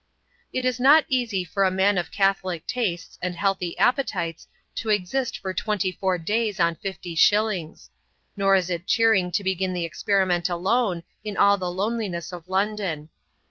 It is not easy for a man of catholic tastes and healthy appetites to exist for twenty four days on fifty shillings. Nor is it cheering to begin the experiment alone in all the loneliness of London.